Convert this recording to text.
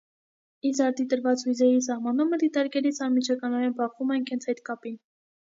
Իզարդի տված հույզերի սահմանումը դիտարկելիս անիջականորեն բախվում ենք հենց այդ կապին։